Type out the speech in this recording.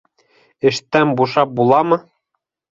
Эштән бушап буламы?